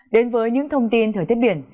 đến với những thông tin thời tiết biển